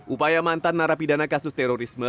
upaya mantan narapidana kasus terorisme